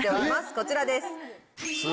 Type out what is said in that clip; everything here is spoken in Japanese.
こちらです。